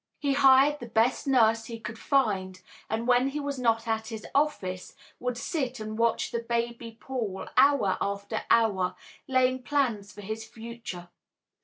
He hired the best nurse he could find, and, when he was not at his office, would sit and watch the baby Paul hour after hour, laying plans for his future.